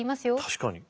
確かに。